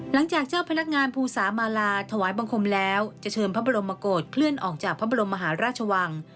หลังจากเจ้าพนักงานภูสามาลาถวายบังคมแล้วจะเชิญพระบรมโกรธเคลื่อนออกจากพระบรมมหาราชวัง